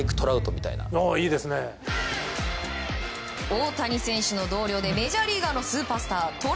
大谷選手の同僚でメジャーリーグのスーパースタート